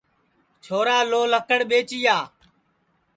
چھورا لھو لکڑ ٻئجیا